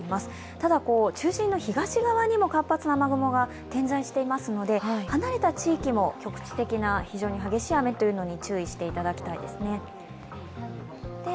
ただ、中心の東側にも活発な雨雲が点在していますので離れた地域も局地的な非常に激しい雨に注意していただきたいです。